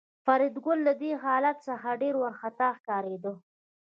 فریدګل له دې حالت څخه ډېر وارخطا ښکارېده